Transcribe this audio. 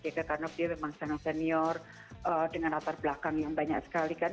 kalau pak jk tarnop dia memang senor senior dengan latar belakang yang banyak sekali kan